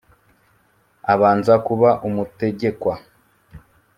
Abanza kuba umutegekwa